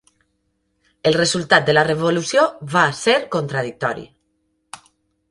El resultat de la revolució va ser contradictori.